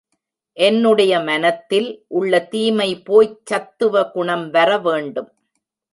என்னுடைய மனத்தில் உள்ள தீமை போய்ச்சத்துவ குணம் வர வேண்டும்.